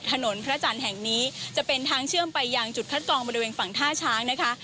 ถนนพระจันทร์แห่งนี้จะเป็นทางเชื่อมไปยังจุดคัดกรองบริเวณฝั่งท่าช้างนะคะ